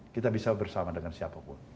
kita bisa bersama dengan siapapun